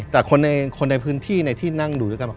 แต่คนในพื้นที่ในที่นั่งดูด้วยกันบอก